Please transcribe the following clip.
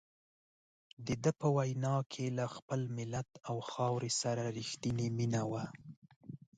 دده په وینا کې له خپل ملت او خاورې سره رښتیني مینه وه.